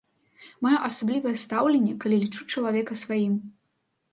Маю асаблівае стаўленне, калі лічу чалавека сваім.